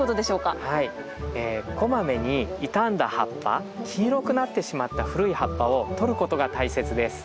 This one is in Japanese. こまめに傷んだ葉っぱ黄色くなってしまった古い葉っぱをとることが大切です。